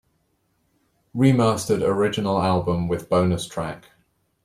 Remastered original album with bonus track.